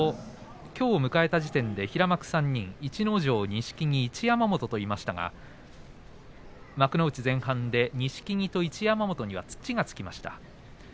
きょう迎えた時点で平幕３人逸ノ城、錦木、一山本といましたが幕内前半で錦木と一山本に土がつきました。